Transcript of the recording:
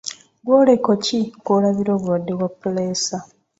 Bwoleko ki kwolabira obulwadde bwa puleesa?